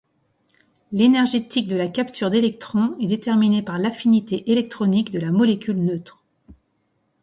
L’énergétique de la capture d’électron est déterminée par l’affinité électronique de la molécule neutre.